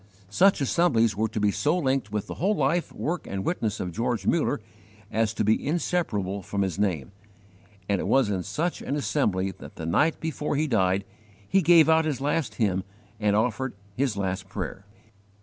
Such assemblies were to be so linked with the whole life, work, and witness of George Muller as to be inseparable from his name, and it was in such an assembly that the night before he died he gave out his last hymn and offered his last prayer.